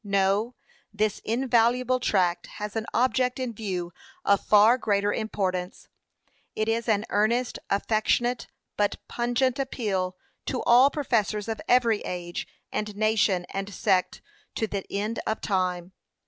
No; this invaluable tract has an object in view of far greater importance. It is an earnest, affectionate, but pungent appeal to all professors of every age, and nation, and sect, to the end of time.